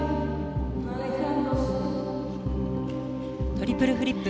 トリプルフリップ。